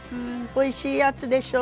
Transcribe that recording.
おいしいやつでしょ？